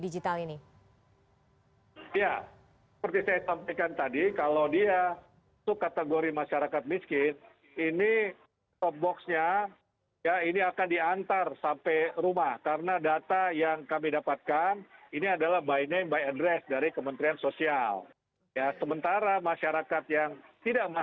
jadi ada sekitar empat puluh delapan layanan wilayah layanan